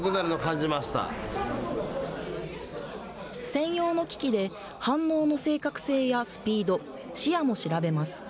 専用の機器で反応の正確性やスピード視野も調べます。